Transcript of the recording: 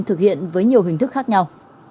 thực hiện với nhiều hình thức khác nhau